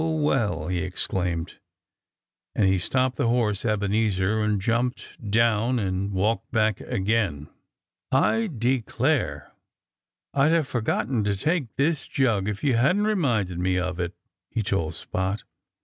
well!" he exclaimed. And he stopped the horse Ebenezer and jumped down and walked back again. "I declare I'd have forgotten to take this jug if you hadn't reminded me of it," he told Spot.